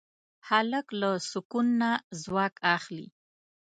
هلک له سکون نه ځواک اخلي.